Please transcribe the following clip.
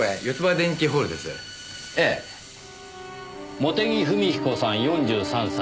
茂手木文彦さん４３歳。